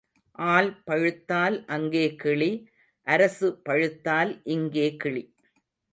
All பழுத்தால் அங்கே கிளி அரசு பழுத்தால் இங்கே கிளி.